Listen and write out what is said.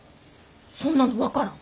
そんなの分からん！